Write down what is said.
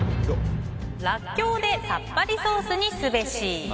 ラッキョウでさっぱりソースにすべし。